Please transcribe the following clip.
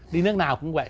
đi nước nào cũng vậy